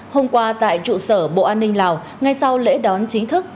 hôm qua tại trụ sở bộ an ninh lào ngay sau lễ đón chính thức